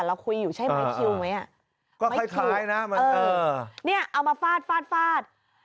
เราคุยอยู่ใช้ไม้คิวไหมไม้คิวก็คล้ายนะเออเอามาฟาดฟาดฟาด